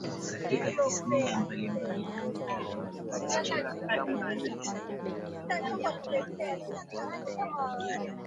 katika tasnia mbalimbali Bondia Francis Cheka alisema kwa mara ya kwanza pambano alilopigana